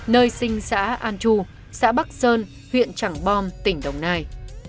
nơi sinh xã an chu xã bắc sơn huyện trảng bom tỉnh đồng nai